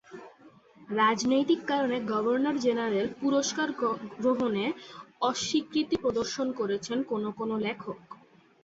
রাজনৈতিক কারণে governor general পুরস্কার গ্রহণে অস্বীকৃতি প্রদর্শন করেছেন কোনো কোনো লেখক।